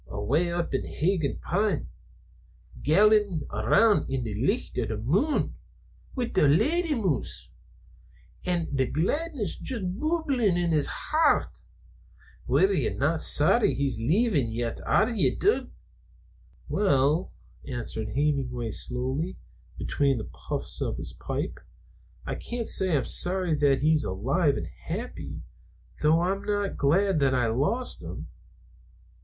Awa' up on Higan' Pond, gallantin' around i' the licht o' the mune wi' a lady moose, an' the gladness juist bubblin' in his hairt. Ye're no sorry that he's leevin' yet, are ye, Dud?" "Well," answered Hemenway slowly, between the puffs of his pipe, "I can't say I'm sorry that he's alive and happy, though I'm not glad that I lost him.